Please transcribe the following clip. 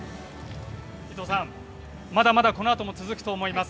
伊藤さん、まだまだこのあとも続くと思います。